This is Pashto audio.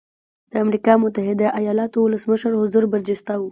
د امریکا متحده ایالتونو ولسمشر حضور برجسته و.